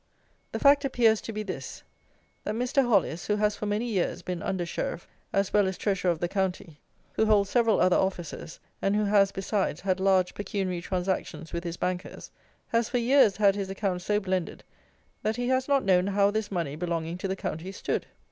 The fact appears to be this; that Mr. Hollis, who has for many years been Under Sheriff as well as Treasurer of the County, who holds several other offices, and who has, besides, had large pecuniary transactions with his bankers, has for years had his accounts so blended that he has not known how this money belonging to the county stood.